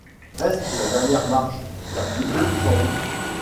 Reste la dernière marche, la plus haute sans doute.